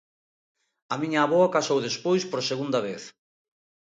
A miña avoa casou despois por segunda vez.